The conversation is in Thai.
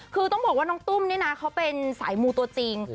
คือต้องบอกว่าน้องตุ้มนี่นะเขาเป็นสายมูตัวจริง